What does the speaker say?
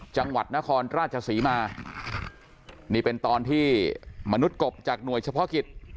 จังหวัดนครราชศรีมานี่เป็นตอนที่มนุษย์กบจากหน่วยเฉพาะกิจ